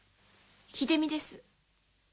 秀美です。